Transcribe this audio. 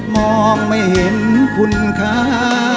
มองไม่เห็นคุณค้า